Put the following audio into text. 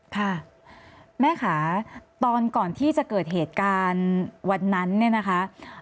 ค่ะแม่ค่ะตอนก่อนที่จะเกิดเหตุการณ์วันนั้นเนี่ยนะคะ